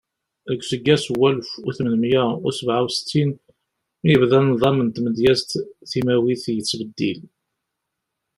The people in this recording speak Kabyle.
Deg useggas n walef u tmenmiya u sebɛa U settin, yebda nḍam n tmedyazt timawit yettbeddil.